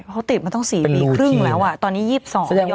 เขาติดมันต้อง๔ปีครึ่งแล้วอ่ะตอนนี้๒๒ย้อนกันไปอีก